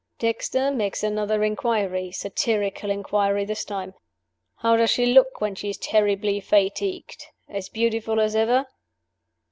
Dexter makes another inquiry (satirical inquiry, this time): 'How does she look when she is terribly fatigued? As beautiful as ever?